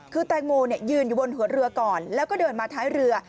คือแตงโมยืนอยู่บนหัวเรือก่อนแล้วก็เดินมาท้ายเรือ